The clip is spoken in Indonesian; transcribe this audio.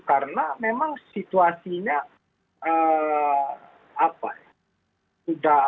karena memang situasinya